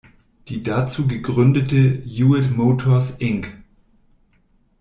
Die dazu gegründete Jewett Motors, Inc.